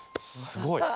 すごいよ。